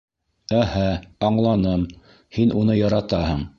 Әһә, аңланым, һин уны яратаһың.